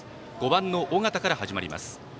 ５番の尾形から始まります。